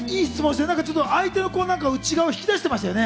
相手の内側を引き出してましたね。